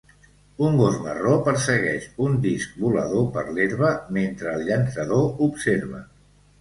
Un gos marró persegueix un disc volador per l'herba mentre el llançador observa